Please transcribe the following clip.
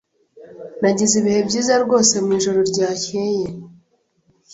Nagize ibihe byiza rwose mwijoro ryakeye.